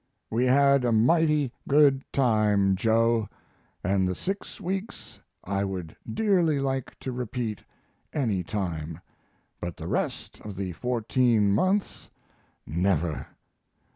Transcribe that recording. We had a mighty good time, Joe, and the six weeks I would dearly like to repeat any time; but the rest of the fourteen months never.